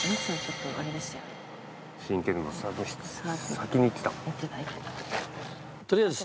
先にいってた。